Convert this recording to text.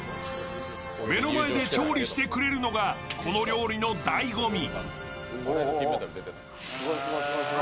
目の前で調理してくれるのがこの料理のだいご味。